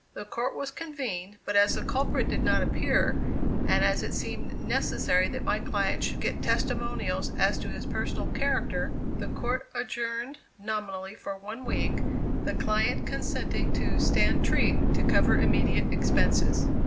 The court was convened, but as the culprit did not appear, and as it seemed necessary that my client should get testimonials as to his personal character; the court adjourned nominally for one week, the client consenting to "stand treat" to cover immediate expenses.